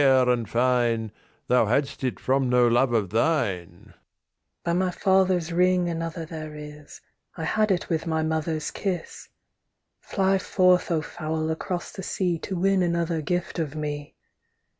THE KING'S DAUGHTER By my father's ring another there is, I had it with my mother's kiss. Fly forth, O fowl, across the sea To win another gift of me.